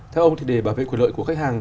theo ông thì để bảo vệ quyền lợi của khách hàng